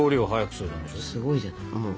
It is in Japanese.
すごいじゃない。